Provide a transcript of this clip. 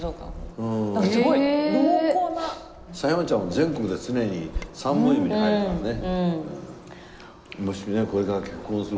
狭山茶は全国で常に三本指に入るからね。